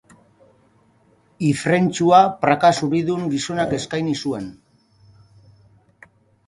Ifrentzua praka zuridun gizonak eskaini zuen.